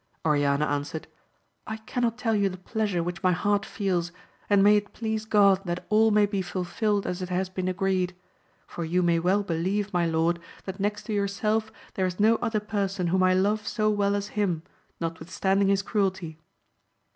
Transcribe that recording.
Oriana answered, I cannot tell you the pleasure which my heart feels, and may it please God that all may be fulfilled as it has been agreed ; for you may well believe, my lord, that next to yourself there is no other person whom I love so well as him, notwithstanding his cruelty.